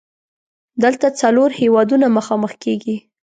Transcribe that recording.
دلته څلور هیوادونه مخامخ کیږي.